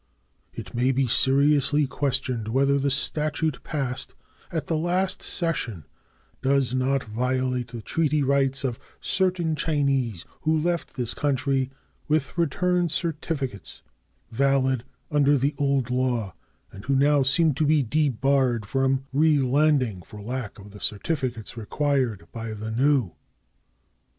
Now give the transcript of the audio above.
It may be seriously questioned whether the statute passed at the last session does not violate the treaty rights of certain Chinese who left this country with return certificates valid under the old law, and who now seem to be debarred from relanding for lack of the certificates required by the new.